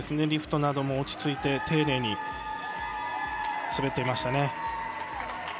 リフトなども落ち着いて丁寧に滑っていましたね。